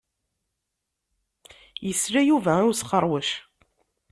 Yesla Yuba i usxeṛwec.